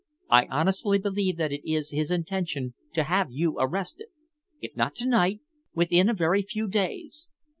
I honestly believe that it is his intention to have you arrested if not to night, within a very few days."